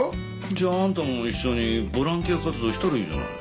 じゃああんたも一緒にボランティア活動したらいいじゃない。